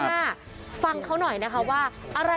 เพื่อนบ้านเจ้าหน้าที่อำรวจกู้ภัย